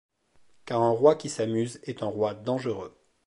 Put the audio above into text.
Car un roi qui s’amuse est un roi dangereux.